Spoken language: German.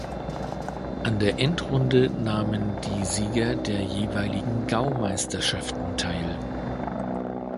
An der Endrunde nahmen die Sieger der jeweiligen Gaumeisterschaften teil.